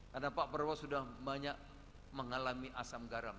karena pak prabowo sudah banyak mengalami asam garam